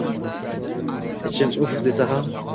Ichim uff desa ham.